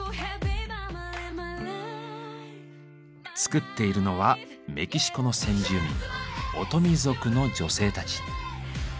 作っているのはメキシコの先住民オトミ族の女性たち。